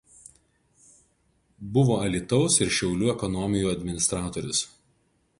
Buvo Alytaus ir Šiaulių ekonomijų administratorius.